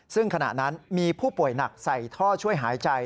ซึ่งขณะนั้นมีผู้ป่วยหนักใส่ท่อช่วยหายใจ